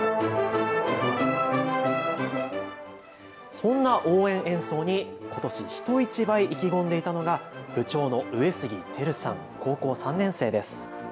そんな応援演奏にことし人一倍意気込んでいたのが部長の上杉照さん、高校３年生です。